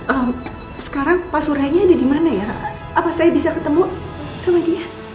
eh sekarang pak suryanya ada dimana ya apa saya bisa ketemu sama dia